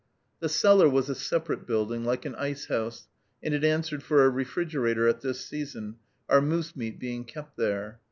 The cellar was a separate building, like an ice house, and it answered for a refrigerator at this season, our moose meat being kept there.